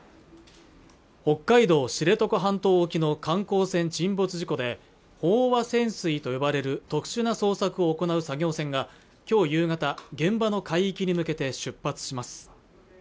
北海道知床半島沖の観光船沈没事故で飽和潜水と呼ばれる特殊な捜索を行う作業船がきょう夕方現場の海域に向けて出発します